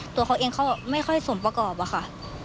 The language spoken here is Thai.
ตัวเขาเองเขาไม่ค่อยสมประกอบอะค่ะ